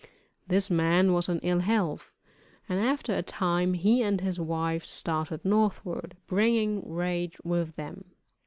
This man was in ill health, and after a time he and his wife started northward, bringing Rache with them.